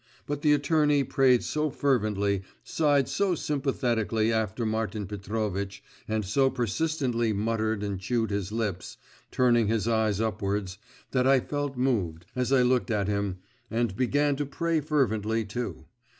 But the attorney prayed so fervently, sighed so sympathetically after Martin Petrovitch, and so persistently muttered and chewed his lips, turning his eyes upwards, that I felt moved, as I looked at him, and began to pray fervently too.